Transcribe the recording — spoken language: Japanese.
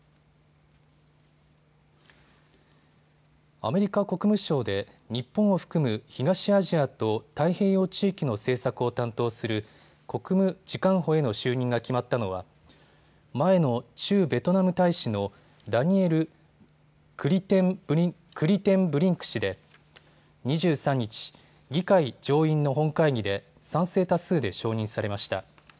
アメリカ国務省で日本を含む東アジアと太平洋地域の政策を担当する国務次官補への就任が決まったのは前の駐ベトナム大使のダニエル・クリテンブリンク氏で２３日、議会上院の本会議で賛成多数で承認されました。